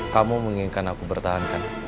kamu menginginkan aku bertahankan